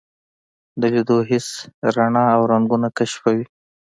د لیدو حس رڼا او رنګونه کشفوي.